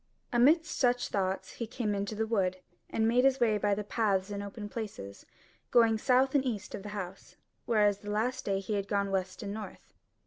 Amidst such thoughts he came into the wood, and made his way by the paths and open places, going south and east of the House: whereas the last day he had gone west and north.